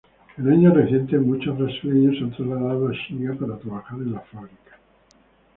En años recientes, muchos brasileños se han trasladado a Shiga para trabajar en fábricas.